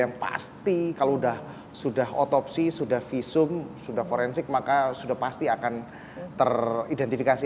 yang pasti kalau sudah otopsi sudah visum sudah forensik maka sudah pasti akan teridentifikasi